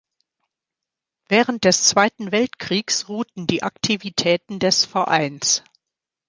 Während des Zweiten Weltkriegs ruhten die Aktivitäten des Vereins.